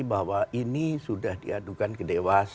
bahwa ini sudah diadukan ke dewas